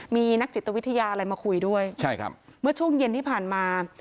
มีนักจิตวิทยาอะไรมาคุยด้วยใช่ครับเมื่อช่วงเย็นที่ผ่านมา